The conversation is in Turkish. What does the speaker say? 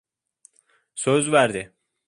Söz verdi.